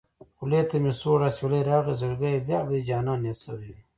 خولې ته مې سوړ اوسېلی راغی زړګيه بيا به دې جانان ياد شوی وينه